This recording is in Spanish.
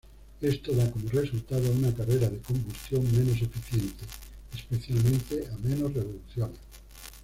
Esto da como resultado una carrera de combustión menos eficiente, especialmente a menos revoluciones.